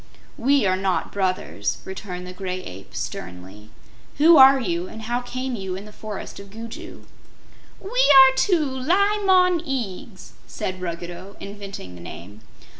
"We are not brothers," returned the Gray Ape, sternly. "Who are you, and how came you in the forest of Gugu?" "We are two Li Mon Eags," said Ruggedo, inventing the name.